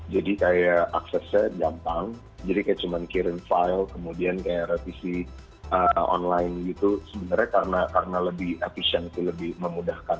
jadi kayak aksesnya gampang jadi kayak cuman kirim file kemudian kayak revisi online gitu sebenarnya karena lebih efisien lebih memudahkan